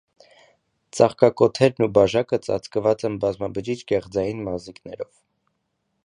Ծաղկակոթերն ու բաժակը ծածկված են բազմաբջիջ գեղձային մազիկներով։